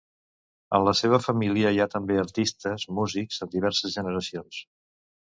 En la seva família hi ha també artistes músics en diverses generacions.